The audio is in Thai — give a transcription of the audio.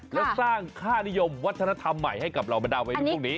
และสร้างค่านิยมวัฒนธรรมใหม่ให้กับเราบรรดาไว้ในพรุ่งนี้